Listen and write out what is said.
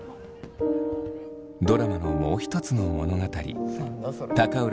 ドラマのもう一つの物語高浦